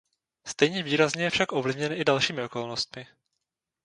Stejně výrazně je však ovlivněn i dalšími okolnostmi.